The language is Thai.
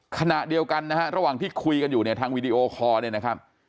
ขณะเดียวกันนะฮะระหว่างที่คุยกันอยู่เนี่ยทางวีดีโอคอร์เนี่ยนะครับ